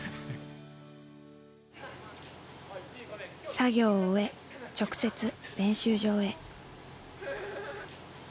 作業を終え直接練習場へ。